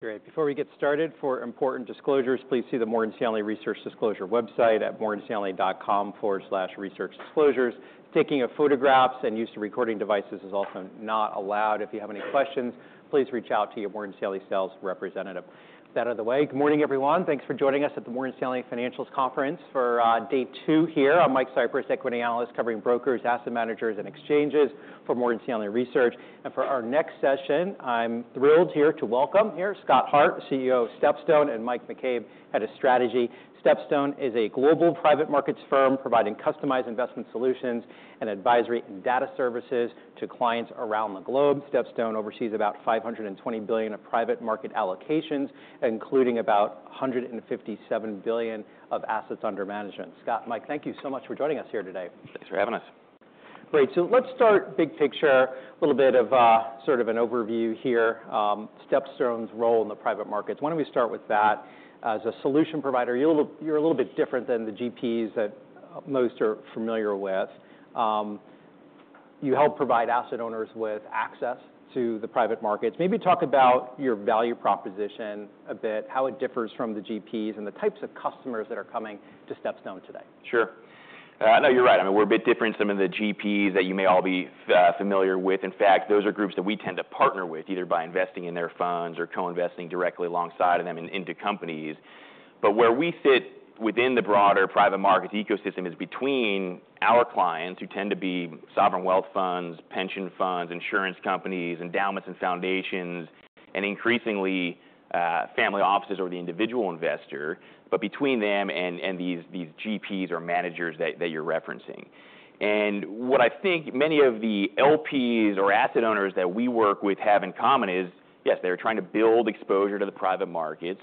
Great. Before we get started, for important disclosures, please see the Morgan Stanley Research Disclosure website at morganstanley.com/researchdisclosures. Taking photographs and use of recording devices is also not allowed. If you have any questions, please reach out to your Morgan Stanley sales representative. With that out of the way, good morning, everyone. Thanks for joining us at the Morgan Stanley Financials Conference for day two here. I'm Mike Cyprys, equity analyst covering brokers, asset managers, and exchanges for Morgan Stanley Research. And for our next session, I'm thrilled here to welcome Scott Hart, CEO of StepStone, and Mike McCabe, head of strategy. StepStone is a global private markets firm providing customized investment solutions and advisory and data services to clients around the globe. StepStone oversees about $520 billion of private market allocations, including about $157 billion of assets under management. Scott, Mike, thank you so much for joining us here today. Thanks for having us. Great. So let's start big picture, a little bit of sort of an overview here, StepStone's role in the private markets. Why don't we start with that? As a solution provider, you're a little bit different than the GPs that most are familiar with. You help provide asset owners with access to the private markets. Maybe talk about your value proposition a bit, how it differs from the GPs and the types of customers that are coming to StepStone today. Sure. No, you're right. I mean, we're a bit different in some of the GPs that you may all be familiar with. In fact, those are groups that we tend to partner with, either by investing in their funds or co-investing directly alongside of them and into companies. But where we sit within the broader private markets ecosystem is between our clients, who tend to be sovereign wealth funds, pension funds, insurance companies, endowments and foundations, and increasingly family offices or the individual investor, but between them and these GPs or managers that you're referencing. And what I think many of the LPs or asset owners that we work with have in common is, yes, they're trying to build exposure to the private markets.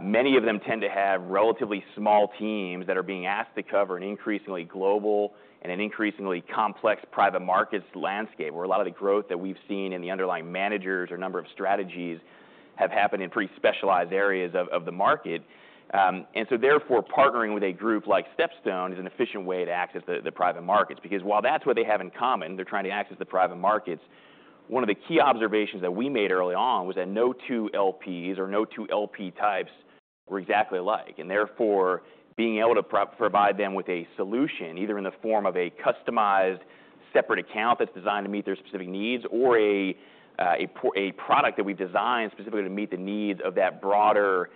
Many of them tend to have relatively small teams that are being asked to cover an increasingly global and an increasingly complex private markets landscape, where a lot of the growth that we've seen in the underlying managers or number of strategies have happened in pretty specialized areas of the market. So therefore, partnering with a group like StepStone is an efficient way to access the private markets. Because while that's what they have in common, they're trying to access the private markets. One of the key observations that we made early on was that no two LPs or no two LP types were exactly alike. Therefore, being able to provide them with a solution, either in the form of a customized separate account that's designed to meet their specific needs or a product that we've designed specifically to meet the needs of that broader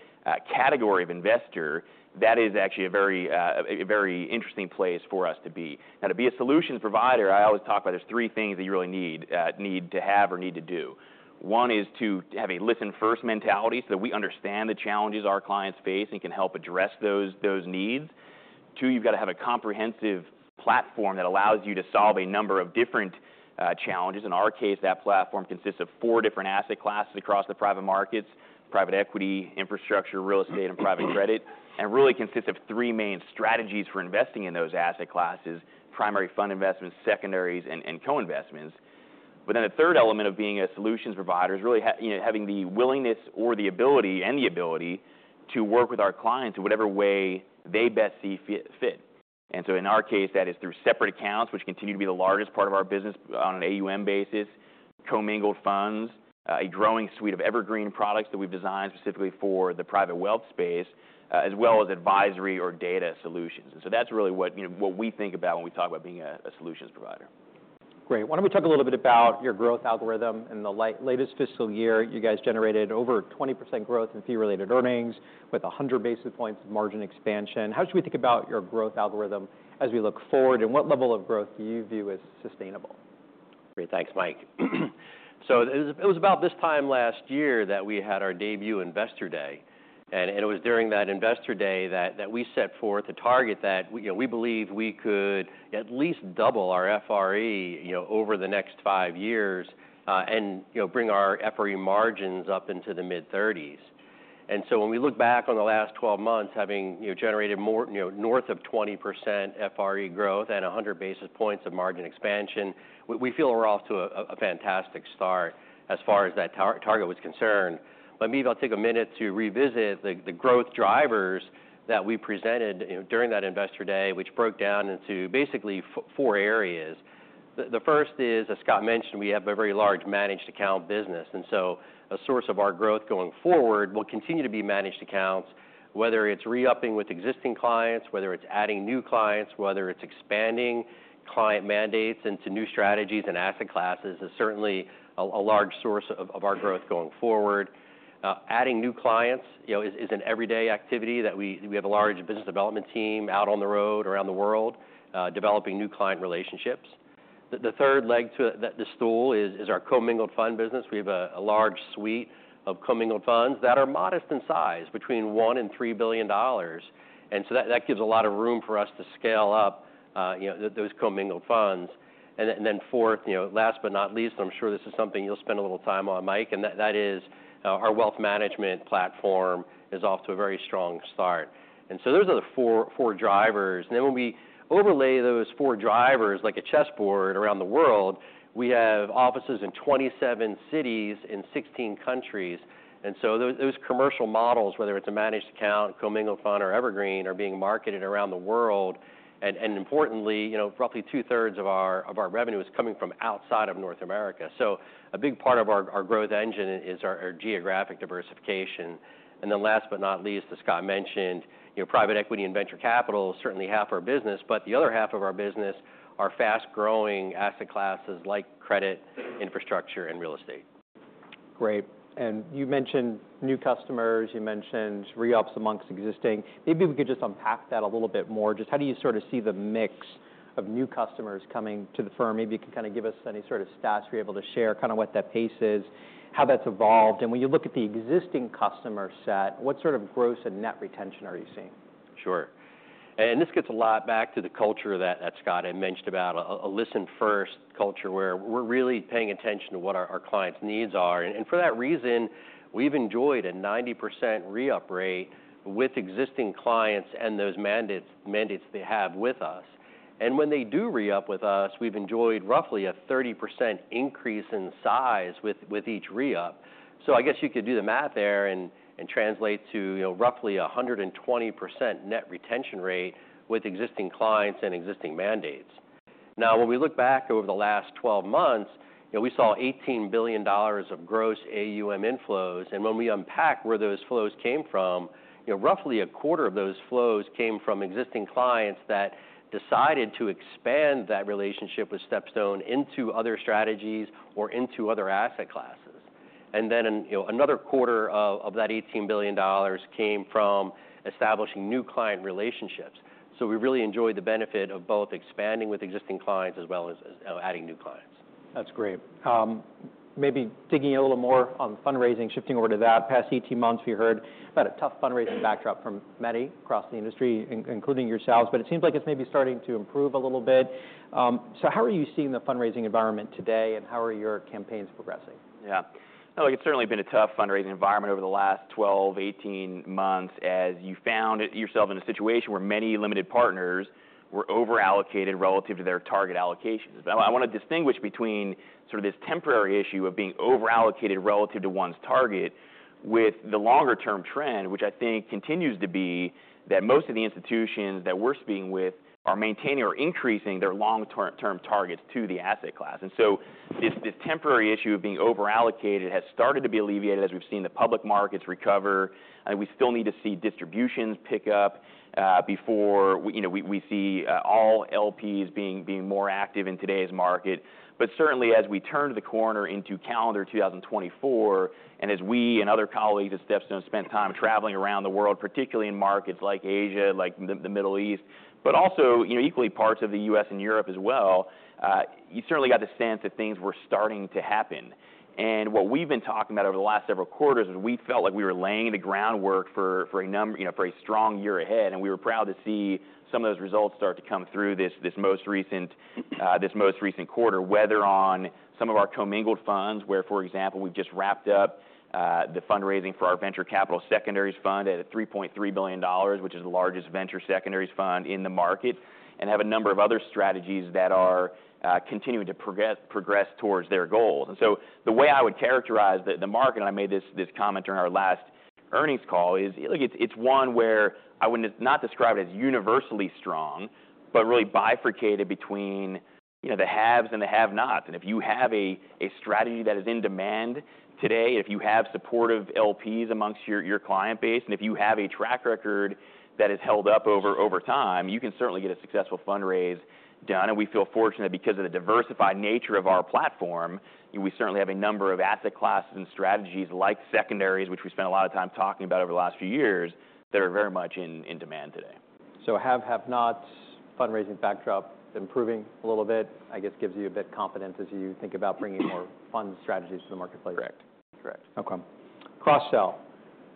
category of investor, that is actually a very interesting place for us to be. Now, to be a solutions provider, I always talk about there's three things that you really need to have or need to do. One is to have a listen-first mentality so that we understand the challenges our clients face and can help address those needs. Two, you've got to have a comprehensive platform that allows you to solve a number of different challenges. In our case, that platform consists of four different asset classes across the private markets: private equity, infrastructure, real estate, and private credit. It really consists of three main strategies for investing in those asset classes: primary fund investments, secondaries, and co-investments. But then the third element of being a solutions provider is really having the willingness or the ability and the ability to work with our clients in whatever way they best see fit. In our case, that is through separate accounts, which continue to be the largest part of our business on an AUM basis, commingled funds, a growing suite of evergreen products that we've designed specifically for the private wealth space, as well as advisory or data solutions. That's really what we think about when we talk about being a solutions provider. Great. Why don't we talk a little bit about your growth algorithm? In the latest fiscal year, you guys generated over 20% growth in fee-related earnings with 100 basis points of margin expansion. How should we think about your growth algorithm as we look forward? And what level of growth do you view as sustainable? Great. Thanks, Mike. So it was about this time last year that we had our debut Investor Day. It was during that Investor Day that we set forth a target that we believe we could at least double our FRE over the next five years and bring our FRE margins up into the mid-30s%. So when we look back on the last 12 months, having generated north of 20% FRE growth and 100 basis points of margin expansion, we feel we're off to a fantastic start as far as that target was concerned. Maybe I'll take a minute to revisit the growth drivers that we presented during that Investor Day, which broke down into basically four areas. The first is, as Scott mentioned, we have a very large managed account business. And so a source of our growth going forward will continue to be managed accounts, whether it's re-upping with existing clients, whether it's adding new clients, whether it's expanding client mandates into new strategies and asset classes is certainly a large source of our growth going forward. Adding new clients is an everyday activity that we have a large business development team out on the road around the world developing new client relationships. The third leg to the stool is our commingled fund business. We have a large suite of commingled funds that are modest in size, between $1-$3 billion. And so that gives a lot of room for us to scale up those commingled funds. And then fourth, last but not least, and I'm sure this is something you'll spend a little time on, Mike, and that is our wealth management platform is off to a very strong start. And so those are the four drivers. And then when we overlay those four drivers like a chessboard around the world, we have offices in 27 cities in 16 countries. And so those commercial models, whether it's a managed account, commingled fund, or evergreen, are being marketed around the world. And importantly, roughly two-thirds of our revenue is coming from outside of North America. So a big part of our growth engine is our geographic diversification. And then last but not least, as Scott mentioned, private equity and venture capital is certainly half our business, but the other half of our business are fast-growing asset classes like credit, infrastructure, and real estate. Great. And you mentioned new customers. You mentioned re-ups amongst existing. Maybe we could just unpack that a little bit more. Just how do you sort of see the mix of new customers coming to the firm? Maybe you can kind of give us any sort of stats you're able to share, kind of what that pace is, how that's evolved. And when you look at the existing customer set, what sort of growth and net retention are you seeing? Sure. And this gets a lot back to the culture that Scott had mentioned about a listen-first culture where we're really paying attention to what our clients' needs are. And for that reason, we've enjoyed a 90% re-up rate with existing clients and those mandates they have with us. And when they do re-up with us, we've enjoyed roughly a 30% increase in size with each re-up. So I guess you could do the math there and translate to roughly a 120% net retention rate with existing clients and existing mandates. Now, when we look back over the last 12 months, we saw $18 billion of gross AUM inflows. And when we unpack where those flows came from, roughly a quarter of those flows came from existing clients that decided to expand that relationship with StepStone into other strategies or into other asset classes. Then another quarter of that $18 billion came from establishing new client relationships. We really enjoyed the benefit of both expanding with existing clients as well as adding new clients. That's great. Maybe digging in a little more on fundraising, shifting over to that. Past 18 months, we heard about a tough fundraising backdrop from many across the industry, including yourselves. But it seems like it's maybe starting to improve a little bit. So how are you seeing the fundraising environment today, and how are your campaigns progressing? Yeah. No, it's certainly been a tough fundraising environment over the last 12-18 months as you found yourself in a situation where many limited partners were overallocated relative to their target allocations. I want to distinguish between sort of this temporary issue of being overallocated relative to one's target with the longer-term trend, which I think continues to be that most of the institutions that we're speaking with are maintaining or increasing their long-term targets to the asset class. And so this temporary issue of being overallocated has started to be alleviated as we've seen the public markets recover. I think we still need to see distributions pick up before we see all LPs being more active in today's market. But certainly, as we turn the corner into calendar 2024, and as we and other colleagues at StepStone spend time traveling around the world, particularly in markets like Asia, like the Middle East, but also equally parts of the U.S. and Europe as well, you certainly got the sense that things were starting to happen. And what we've been talking about over the last several quarters is we felt like we were laying the groundwork for a strong year ahead. And we were proud to see some of those results start to come through this most recent quarter, whether on some of our commingled funds, where, for example, we've just wrapped up the fundraising for our venture capital secondaries fund at $3.3 billion, which is the largest venture secondaries fund in the market, and have a number of other strategies that are continuing to progress towards their goals. So the way I would characterize the market, and I made this comment during our last earnings call, is it's one where I would not describe it as universally strong, but really bifurcated between the haves and the have-nots. If you have a strategy that is in demand today, and if you have supportive LPs amongst your client base, and if you have a track record that has held up over time, you can certainly get a successful fundraise done. We feel fortunate because of the diversified nature of our platform. We certainly have a number of asset classes and strategies like secondaries, which we spent a lot of time talking about over the last few years, that are very much in demand today. So haves, have-nots, fundraising backdrop improving a little bit, I guess, gives you a bit of confidence as you think about bringing more fund strategies to the marketplace. Correct. Correct. No problem. Cross-sell.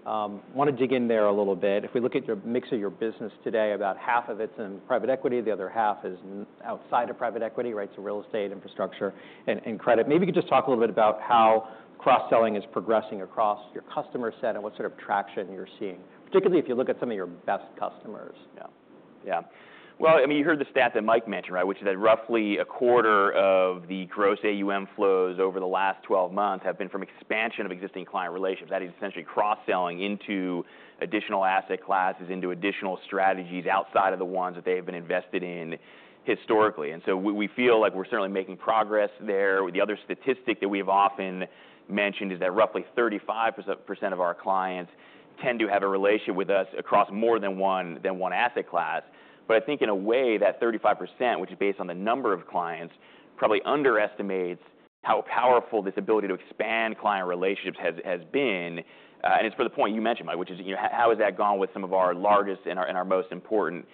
I want to dig in there a little bit. If we look at the mix of your business today, about half of it's in private equity. The other half is outside of private equity, right? So real estate, infrastructure, and credit. Maybe you could just talk a little bit about how cross-selling is progressing across your customer set and what sort of traction you're seeing, particularly if you look at some of your best customers. Yeah. Yeah. Well, I mean, you heard the stat that Mike mentioned, right, which is that roughly a quarter of the gross AUM flows over the last 12 months have been from expansion of existing client relations. That is essentially cross-selling into additional asset classes, into additional strategies outside of the ones that they have been invested in historically. And so we feel like we're certainly making progress there. The other statistic that we have often mentioned is that roughly 35% of our clients tend to have a relationship with us across more than one asset class. But I think in a way, that 35%, which is based on the number of clients, probably underestimates how powerful this ability to expand client relationships has been. And it's for the point you mentioned, Mike, which is how has that gone with some of our largest and our most important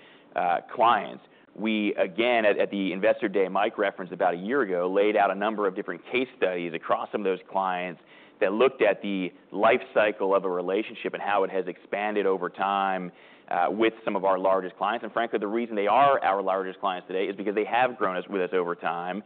clients? We, again, at the Investor Day Mike referenced about a year ago, laid out a number of different case studies across some of those clients that looked at the life cycle of a relationship and how it has expanded over time with some of our largest clients. Frankly, the reason they are our largest clients today is because they have grown with us over time.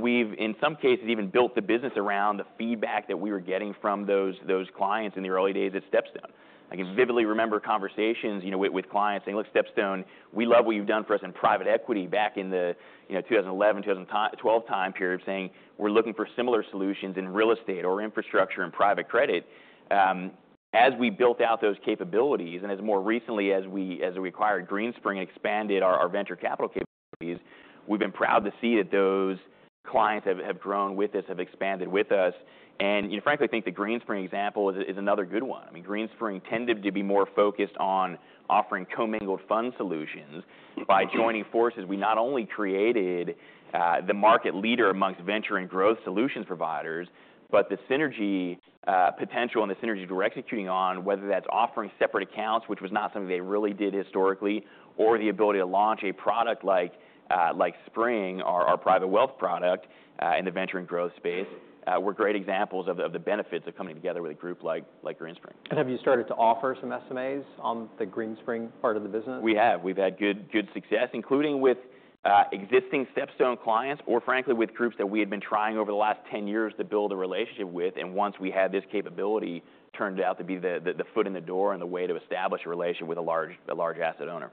We've, in some cases, even built the business around the feedback that we were getting from those clients in the early days at StepStone. I can vividly remember conversations with clients saying, "Look, StepStone, we love what you've done for us in private equity back in the 2011, 2012 time period, saying, 'We're looking for similar solutions in real estate or infrastructure and private credit.'" As we built out those capabilities, and as more recently as we acquired Greenspring and expanded our venture capital capabilities, we've been proud to see that those clients have grown with us, have expanded with us. And frankly, I think the Greenspring example is another good one. I mean, Greenspring tended to be more focused on offering commingled fund solutions. By joining forces, we not only created the market leader among venture and growth solutions providers, but the synergy potential and the synergy we're executing on, whether that's offering separate accounts, which was not something they really did historically, or the ability to launch a product like Spring, our private wealth product in the venture and growth space, were great examples of the benefits of coming together with a group like Greenspring. Have you started to offer some SMAs on the Greenspring part of the business? We have. We've had good success, including with existing StepStone clients or, frankly, with groups that we had been trying over the last 10 years to build a relationship with. And once we had this capability, it turned out to be the foot in the door and the way to establish a relationship with a large asset owner.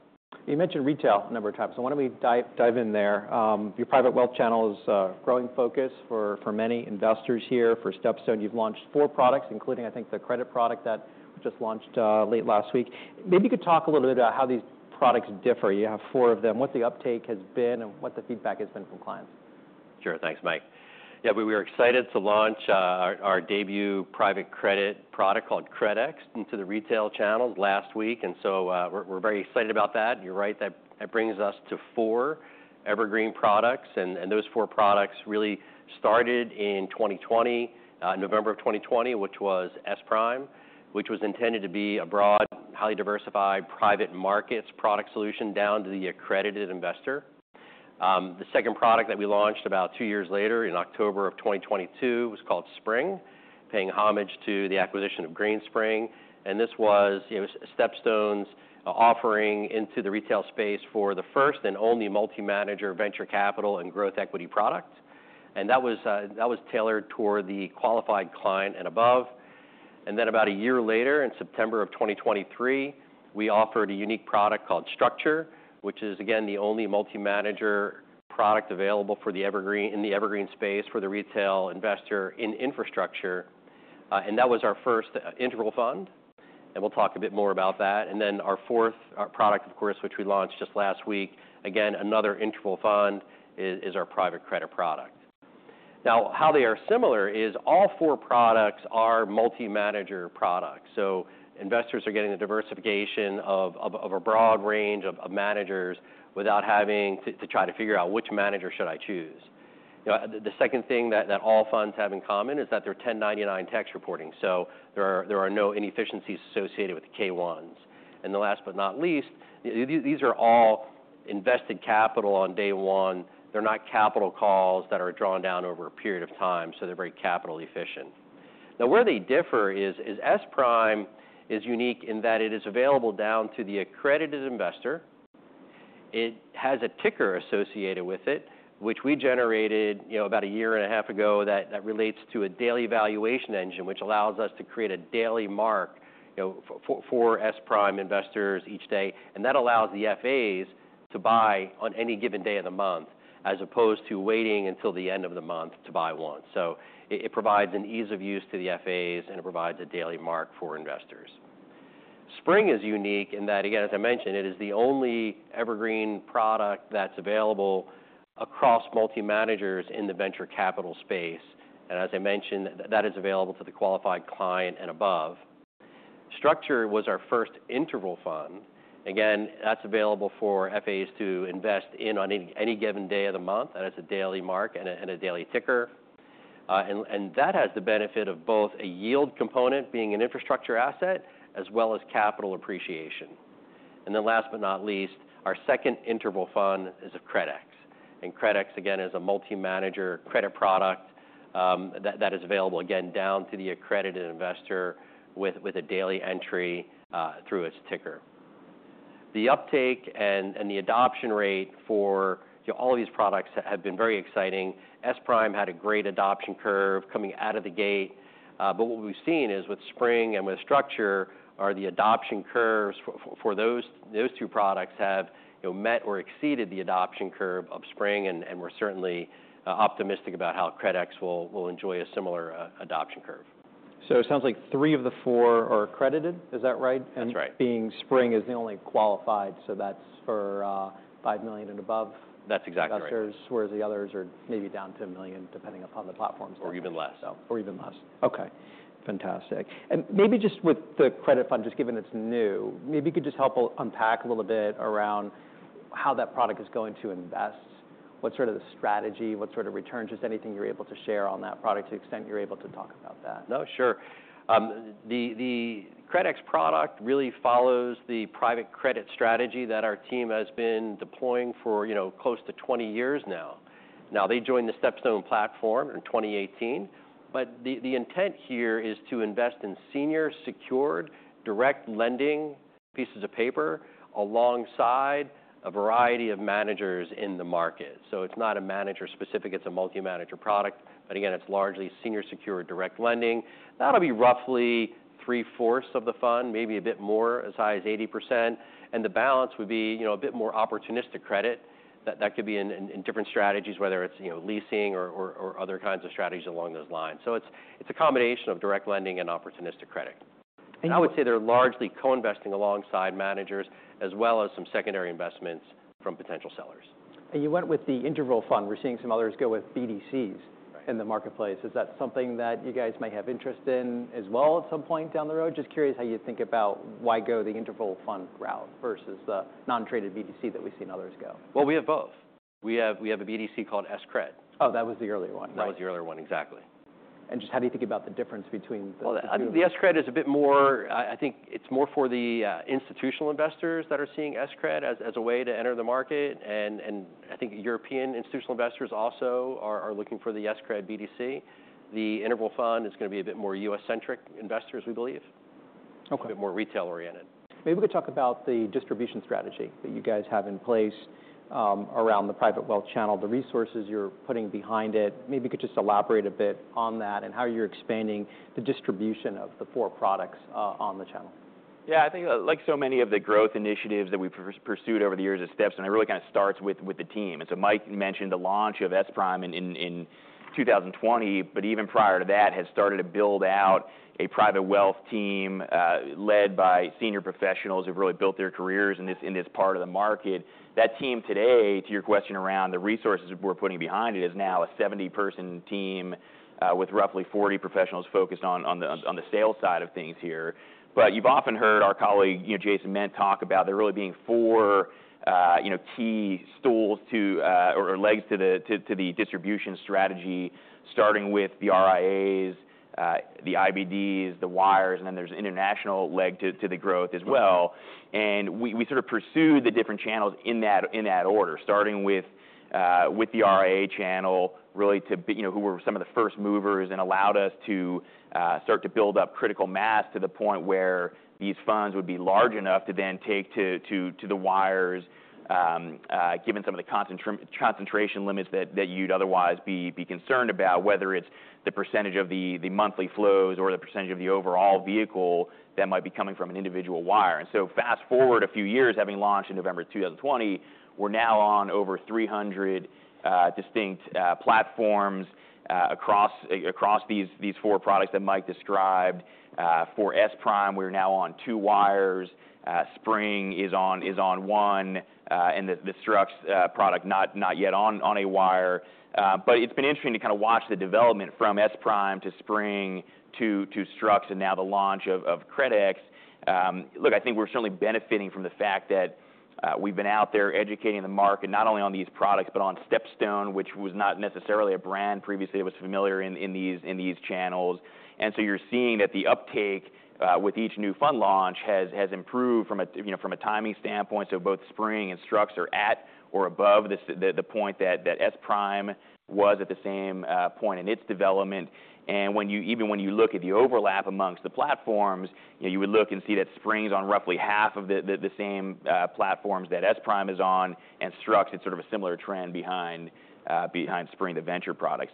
You mentioned retail a number of times. So why don't we dive in there? Your private wealth channel is a growing focus for many investors here. For StepStone, you've launched four products, including, I think, the credit product that was just launched late last week. Maybe you could talk a little bit about how these products differ. You have four of them. What the uptake has been and what the feedback has been from clients? Sure. Thanks, Mike. Yeah, we were excited to launch our debut private credit product called CredEx into the retail channels last week. And so we're very excited about that. You're right. That brings us to 4 evergreen products. And those 4 products really started in 2020, November of 2020, which was S-Prime, which was intended to be a broad, highly diversified private markets product solution down to the accredited investor. The second product that we launched about 2 years later in October of 2022 was called Spring, paying homage to the acquisition of Greenspring. And this was StepStone's offering into the retail space for the first and only multi-manager venture capital and growth equity product. And that was tailored toward the qualified client and above. About a year later, in September of 2023, we offered a unique product called Structure, which is, again, the only multi-manager product available in the evergreen space for the retail investor in infrastructure. That was our first interval fund. We'll talk a bit more about that. Our fourth product, of course, which we launched just last week, again, another interval fund, is our private credit product. Now, how they are similar is all four products are multi-manager products. Investors are getting the diversification of a broad range of managers without having to try to figure out which manager should I choose. The second thing that all funds have in common is that they're 1099 tax reporting. There are no inefficiencies associated with the K-1s. Last but not least, these are all invested capital on day one. They're not capital calls that are drawn down over a period of time. So they're very capital efficient. Now, where they differ is S-Prime is unique in that it is available down to the accredited investor. It has a ticker associated with it, which we generated about a year and a half ago that relates to a daily valuation engine, which allows us to create a daily mark for S-Prime investors each day. And that allows the FAs to buy on any given day of the month, as opposed to waiting until the end of the month to buy once. So it provides an ease of use to the FAs, and it provides a daily mark for investors. Spring is unique in that, again, as I mentioned, it is the only evergreen product that's available across multi-managers in the venture capital space. And as I mentioned, that is available to the qualified client and above. Structure was our first interval fund. Again, that's available for FAs to invest in on any given day of the month. That has a daily mark and a daily ticker. And that has the benefit of both a yield component being an infrastructure asset as well as capital appreciation. And then last but not least, our second interval fund is CredEx. And CredEx, again, is a multi-manager credit product that is available, again, down to the accredited investor with a daily entry through its ticker. The uptake and the adoption rate for all of these products have been very exciting. S-Prime had a great adoption curve coming out of the gate. What we've seen is with Spring and with Structure, the adoption curves for those two products have met or exceeded the adoption curve of Spring. We're certainly optimistic about how CredEx will enjoy a similar adoption curve. So it sounds like three of the four are accredited. Is that right? That's right. Being Spring is the only qualified, so that's for $5 million and above. That's exactly right. Investors, whereas the others are maybe down to $1 million, depending upon the platforms. Or even less. Or even less. Okay. Fantastic. Maybe just with the credit fund, just given it's new, maybe you could just help unpack a little bit around how that product is going to invest, what sort of strategy, what sort of returns, just anything you're able to share on that product to the extent you're able to talk about that. No, sure. The CredEx product really follows the private credit strategy that our team has been deploying for close to 20 years now. Now, they joined the StepStone platform in 2018. But the intent here is to invest in senior secured direct lending pieces of paper alongside a variety of managers in the market. So it's not a manager-specific, it's a multi-manager product. But again, it's largely senior secured direct lending. That'll be roughly three-fourths of the fund, maybe a bit more, as high as 80%. And the balance would be a bit more opportunistic credit that could be in different strategies, whether it's leasing or other kinds of strategies along those lines. So it's a combination of direct lending and opportunistic credit. I would say they're largely co-investing alongside managers as well as some secondary investments from potential sellers. You went with the interval fund. We're seeing some others go with BDCs in the marketplace. Is that something that you guys might have interest in as well at some point down the road? Just curious how you think about why go the interval fund route versus the non-traded BDC that we've seen others go. Well, we have both. We have a BDC called S-Cred. Oh, that was the earlier one. That was the earlier one, exactly. Just how do you think about the difference between the two? Well, the S-Cred is a bit more, I think it's more for the institutional investors that are seeing S-Cred as a way to enter the market. I think European institutional investors also are looking for the S-Cred BDC. The interval fund is going to be a bit more U.S.-centric investors, we believe, a bit more retail-oriented. Maybe we could talk about the distribution strategy that you guys have in place around the private wealth channel, the resources you're putting behind it. Maybe you could just elaborate a bit on that and how you're expanding the distribution of the four products on the channel. Yeah, I think like so many of the growth initiatives that we've pursued over the years at StepStone, it really kind of starts with the team. And so Mike mentioned the launch of S-Prime in 2020, but even prior to that, had started to build out a private wealth team led by senior professionals who've really built their careers in this part of the market. That team today, to your question around the resources we're putting behind it, is now a 70-person team with roughly 40 professionals focused on the sales side of things here. But you've often heard our colleague, Jason Ment, talk about there really being four key stools or legs to the distribution strategy, starting with the RIAs, the IBDs, the wires, and then there's an international leg to the growth as well. And we sort of pursued the different channels in that order, starting with the RIA channel, really to who were some of the first movers and allowed us to start to build up critical mass to the point where these funds would be large enough to then take to the wires, given some of the concentration limits that you'd otherwise be concerned about, whether it's the percentage of the monthly flows or the percentage of the overall vehicle that might be coming from an individual WIRE. And so fast forward a few years, having launched in November 2020, we're now on over 300 distinct platforms across these four products that Mike described. For S-Prime, we're now on 2 wires. Spring is on 1, and the Structure product not yet on a WIRE. But it's been interesting to kind of watch the development from S-Prime to Spring to Structure and now the launch of CredEx. Look, I think we're certainly benefiting from the fact that we've been out there educating the market not only on these products, but on StepStone, which was not necessarily a brand previously that was familiar in these channels. And so you're seeing that the uptake with each new fund launch has improved from a timing standpoint. So both Spring and Structure are at or above the point that S-Prime was at the same point in its development. And even when you look at the overlap amongst the platforms, you would look and see that Spring's on roughly half of the same platforms that S-Prime is on, and Structure is sort of a similar trend behind Spring, the venture product.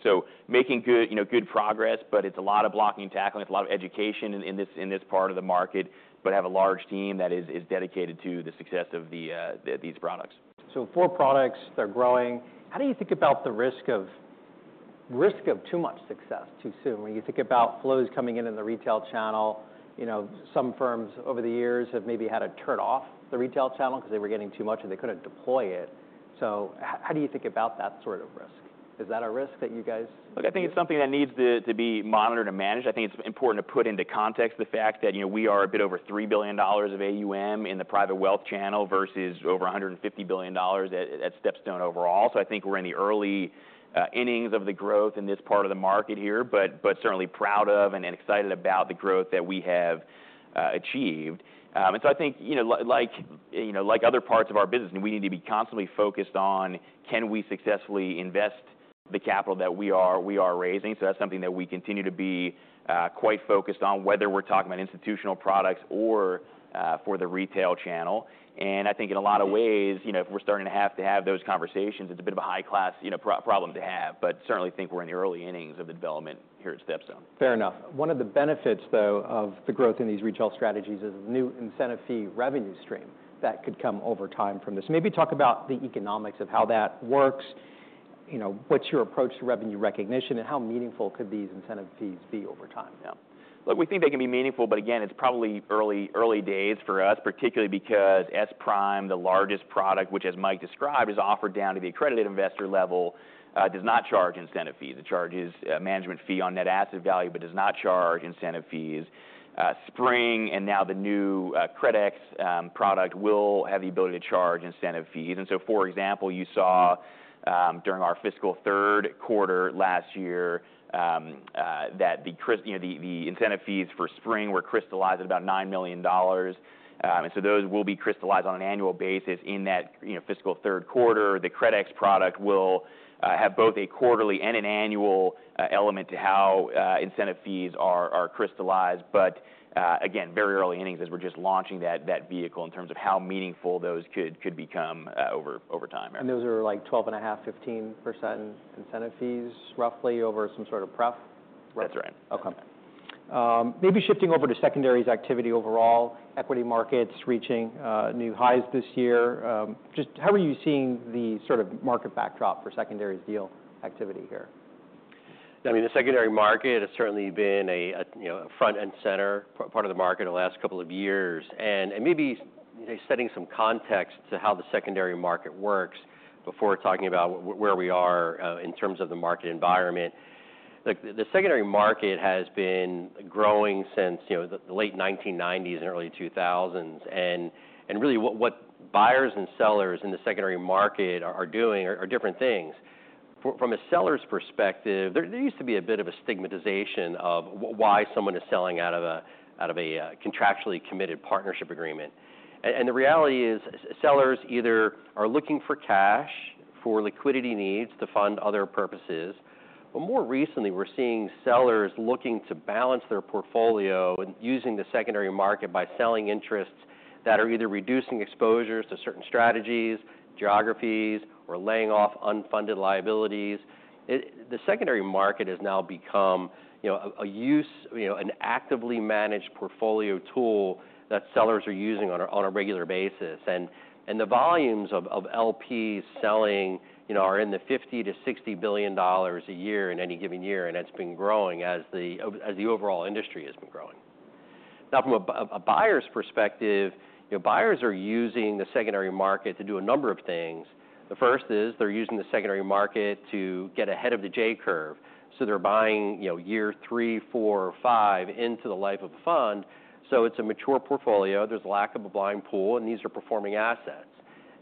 Making good progress, but it's a lot of blocking and tackling. It's a lot of education in this part of the market, but have a large team that is dedicated to the success of these products. So four products, they're growing. How do you think about the risk of too much success too soon when you think about flows coming in in the retail channel? Some firms over the years have maybe had to turn off the retail channel because they were getting too much and they couldn't deploy it. So how do you think about that sort of risk? Is that a risk that you guys? Look, I think it's something that needs to be monitored and managed. I think it's important to put into context the fact that we are a bit over $3 billion of AUM in the private wealth channel versus over $150 billion at StepStone overall. So I think we're in the early innings of the growth in this part of the market here, but certainly proud of and excited about the growth that we have achieved. And so I think, like other parts of our business, we need to be constantly focused on, can we successfully invest the capital that we are raising? So that's something that we continue to be quite focused on, whether we're talking about institutional products or for the retail channel. I think in a lot of ways, if we're starting to have to have those conversations, it's a bit of a high-class problem to have, but certainly think we're in the early innings of the development here at StepStone. Fair enough. One of the benefits, though, of the growth in these retail strategies is a new incentive fee revenue stream that could come over time from this. Maybe talk about the economics of how that works. What's your approach to revenue recognition, and how meaningful could these incentive fees be over time? Yeah. Look, we think they can be meaningful, but again, it's probably early days for us, particularly because S-Prime, the largest product, which, as Mike described, is offered down to the accredited investor level, does not charge incentive fees. It charges a management fee on net asset value, but does not charge incentive fees. Spring and now the new CredEx product will have the ability to charge incentive fees. And so, for example, you saw during our fiscal third quarter last year that the incentive fees for Spring were crystallized at about $9 million. And so those will be crystallized on an annual basis in that fiscal third quarter. The CredEx product will have both a quarterly and an annual element to how incentive fees are crystallized. But again, very early innings as we're just launching that vehicle in terms of how meaningful those could become over time. Those are like 12.5%, 15% incentive fees roughly over some sort of prep? That's right. Okay. Maybe shifting over to secondaries activity overall, equity markets reaching new highs this year. Just how are you seeing the sort of market backdrop for secondaries deal activity here? I mean, the secondary market has certainly been a front and center part of the market in the last couple of years. Maybe setting some context to how the secondary market works before talking about where we are in terms of the market environment. Look, the secondary market has been growing since the late 1990s and early 2000s. Really what buyers and sellers in the secondary market are doing are different things. From a seller's perspective, there used to be a bit of a stigmatization of why someone is selling out of a contractually committed partnership agreement. The reality is sellers either are looking for cash for liquidity needs to fund other purposes. More recently, we're seeing sellers looking to balance their portfolio and using the secondary market by selling interests that are either reducing exposures to certain strategies, geographies, or laying off unfunded liabilities. The secondary market has now become a use, an actively managed portfolio tool that sellers are using on a regular basis. The volumes of LPs selling are in the $50-$60 billion a year in any given year, and it's been growing as the overall industry has been growing. Now, from a buyer's perspective, buyers are using the secondary market to do a number of things. The first is they're using the secondary market to get ahead of the J-curve. So they're buying year three, four, or five into the life of a fund. So it's a mature portfolio. There's a lack of a blind pool, and these are performing assets.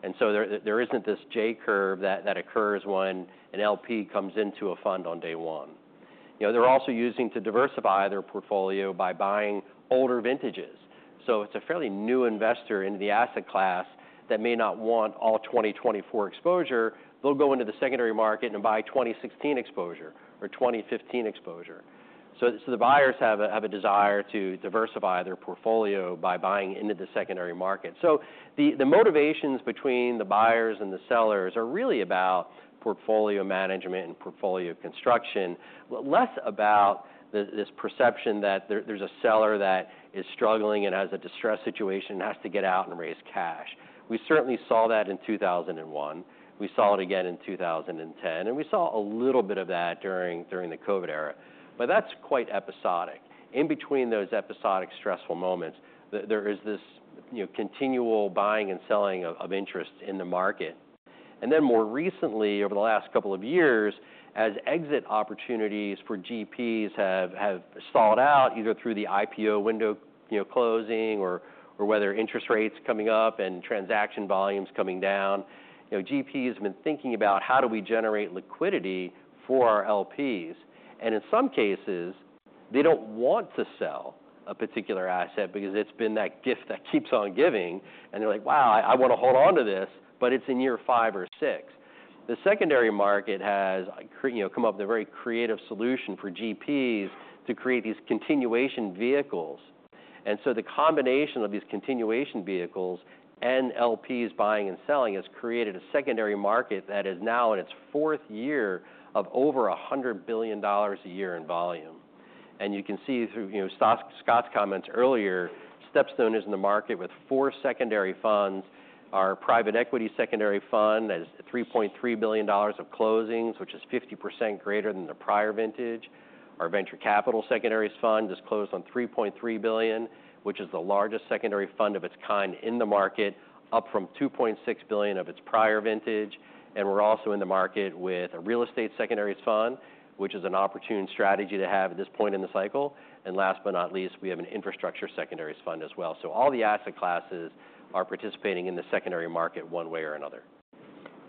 And so there isn't this J-curve that occurs when an LP comes into a fund on day one. They're also using to diversify their portfolio by buying older vintages. It's a fairly new investor into the asset class that may not want all 2024 exposure. They'll go into the secondary market and buy 2016 exposure or 2015 exposure. The buyers have a desire to diversify their portfolio by buying into the secondary market. The motivations between the buyers and the sellers are really about portfolio management and portfolio construction, less about this perception that there's a seller that is struggling and has a distressed situation and has to get out and raise cash. We certainly saw that in 2001. We saw it again in 2010, and we saw a little bit of that during the COVID era. But that's quite episodic. In between those episodic stressful moments, there is this continual buying and selling of interests in the market. And then more recently, over the last couple of years, as exit opportunities for GPs have stalled out either through the IPO window closing or whether interest rates coming up and transaction volumes coming down, GPs have been thinking about how do we generate liquidity for our LPs. And in some cases, they don't want to sell a particular asset because it's been that gift that keeps on giving. And they're like, "Wow, I want to hold on to this," but it's in year five or six. The secondary market has come up with a very creative solution for GPs to create these continuation vehicles. And so the combination of these continuation vehicles and LPs buying and selling has created a secondary market that is now in its fourth year of over $100 billion a year in volume. You can see through Scott's comments earlier, StepStone is in the market with four secondary funds. Our private equity secondary fund has $3.3 billion of closings, which is 50% greater than the prior vintage. Our venture capital secondaries fund is closed on $3.3 billion, which is the largest secondary fund of its kind in the market, up from $2.6 billion of its prior vintage. We're also in the market with a real estate secondaries fund, which is an opportune strategy to have at this point in the cycle. Last but not least, we have an infrastructure secondaries fund as well. So all the asset classes are participating in the secondary market one way or another.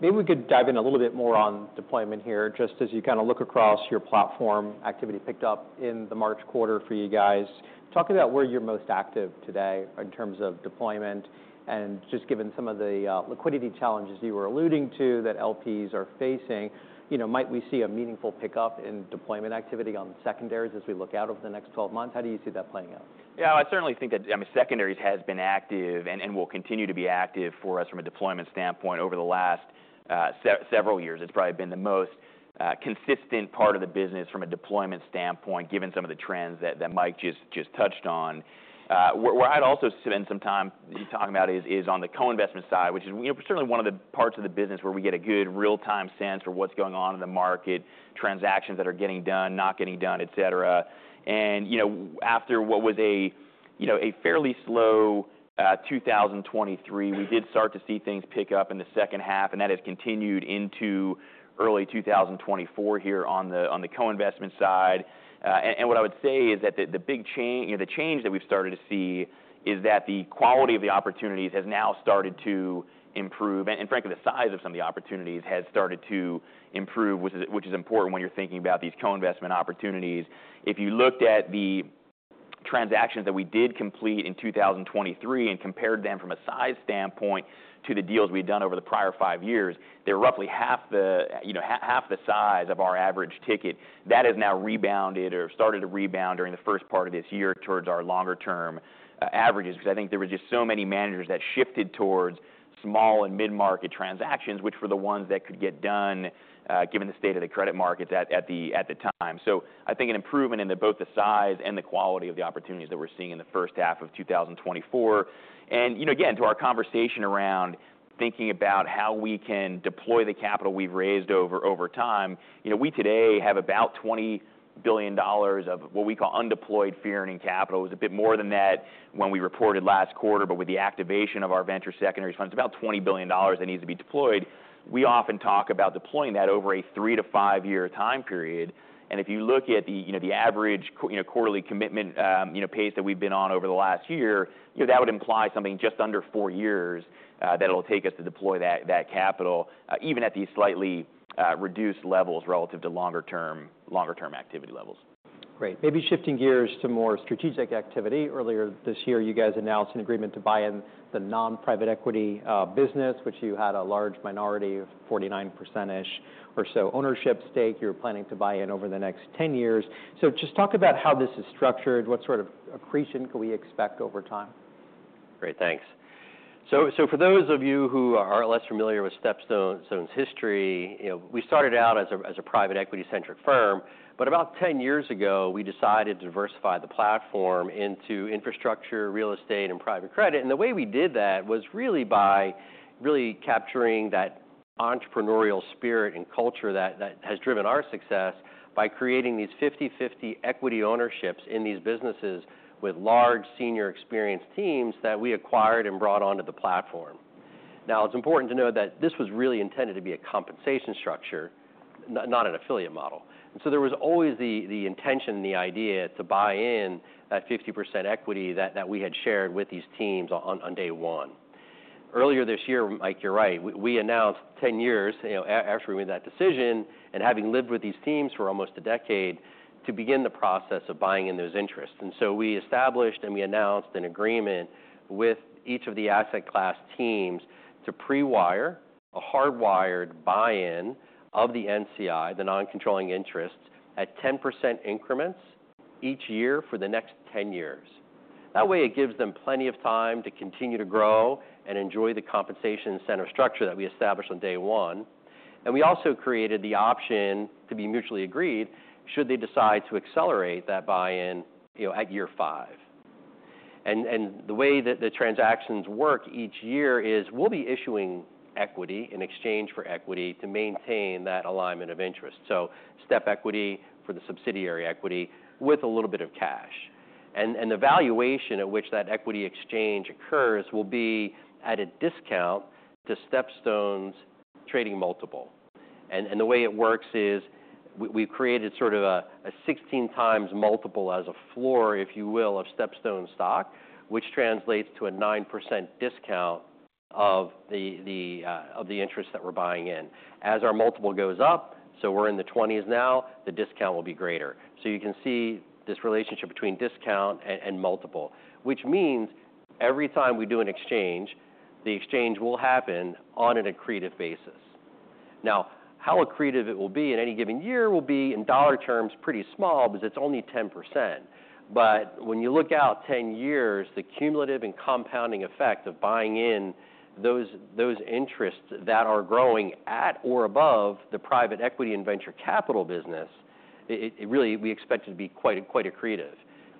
Maybe we could dive in a little bit more on deployment here, just as you kind of look across your platform activity picked up in the March quarter for you guys. Talk about where you're most active today in terms of deployment and just given some of the liquidity challenges you were alluding to that LPs are facing. Might we see a meaningful pickup in deployment activity on secondaries as we look out over the next 12 months? How do you see that playing out? Yeah, I certainly think that secondaries has been active and will continue to be active for us from a deployment standpoint over the last several years. It's probably been the most consistent part of the business from a deployment standpoint, given some of the trends that Mike just touched on. Where I'd also spend some time talking about is on the co-investment side, which is certainly one of the parts of the business where we get a good real-time sense for what's going on in the market, transactions that are getting done, not getting done, etc. And after what was a fairly slow 2023, we did start to see things pick up in the second half, and that has continued into early 2024 here on the co-investment side. What I would say is that the change that we've started to see is that the quality of the opportunities has now started to improve. Frankly, the size of some of the opportunities has started to improve, which is important when you're thinking about these co-investment opportunities. If you looked at the transactions that we did complete in 2023 and compared them from a size standpoint to the deals we'd done over the prior five years, they're roughly half the size of our average ticket. That has now rebounded or started to rebound during the first part of this year towards our longer-term averages, because I think there were just so many managers that shifted towards small and mid-market transactions, which were the ones that could get done given the state of the credit markets at the time. So I think an improvement in both the size and the quality of the opportunities that we're seeing in the first half of 2024. And again, to our conversation around thinking about how we can deploy the capital we've raised over time, we today have about $20 billion of what we call undeployed fee and dry powder capital. It was a bit more than that when we reported last quarter, but with the activation of our venture secondaries funds, about $20 billion that needs to be deployed. We often talk about deploying that over a three- to five-year time period. And if you look at the average quarterly commitment pace that we've been on over the last year, that would imply something just under four years that it'll take us to deploy that capital, even at these slightly reduced levels relative to longer-term activity levels. Great. Maybe shifting gears to more strategic activity. Earlier this year, you guys announced an agreement to buy in the non-private equity business, which you had a large minority, 49%-ish or so ownership stake you're planning to buy in over the next 10 years. So just talk about how this is structured. What sort of accretion can we expect over time? Great, thanks. So for those of you who are less familiar with StepStone's history, we started out as a private equity-centric firm, but about 10 years ago, we decided to diversify the platform into infrastructure, real estate, and private credit. And the way we did that was really by really capturing that entrepreneurial spirit and culture that has driven our success by creating these 50/50 equity ownerships in these businesses with large senior experienced teams that we acquired and brought onto the platform. Now, it's important to note that this was really intended to be a compensation structure, not an affiliate model. And so there was always the intention and the idea to buy in that 50% equity that we had shared with these teams on day one. Earlier this year, Mike, you're right, we announced 10 years after we made that decision and having lived with these teams for almost a decade to begin the process of buying in those interests. And so we established and we announced an agreement with each of the asset class teams to pre-wire a hard-wired buy-in of the NCI, the non-controlling interests, at 10% increments each year for the next 10 years. That way, it gives them plenty of time to continue to grow and enjoy the compensation incentive structure that we established on day one. And we also created the option to be mutually agreed should they decide to accelerate that buy-in at year 5. And the way that the transactions work each year is we'll be issuing equity in exchange for equity to maintain that alignment of interest. So StepStone equity for the subsidiary equity with a little bit of cash. The valuation at which that equity exchange occurs will be at a discount to StepStone's trading multiple. The way it works is we've created sort of a 16x multiple as a floor, if you will, of StepStone stock, which translates to a 9% discount of the interest that we're buying in. As our multiple goes up, so we're in the 20s now, the discount will be greater. You can see this relationship between discount and multiple, which means every time we do an exchange, the exchange will happen on an accretive basis. Now, how accretive it will be in any given year will be in dollar terms pretty small because it's only 10%. But when you look out 10 years, the cumulative and compounding effect of buying in those interests that are growing at or above the private equity and venture capital business, really we expect it to be quite accretive.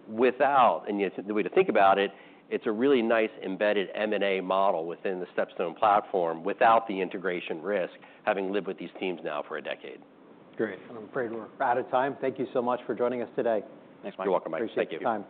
Without, and the way to think about it, it's a really nice embedded M&A model within the StepStone platform without the integration risk, having lived with these teams now for a decade. Great. I'm afraid we're out of time. Thank you so much for joining us today. Thanks, Mike. You're welcome, Mike. Thank you. Appreciate your time.